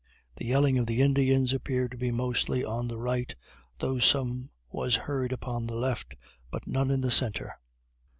The yelling of the Indians appeared to be mostly on the right, though some was heard upon the left, but none in the centre.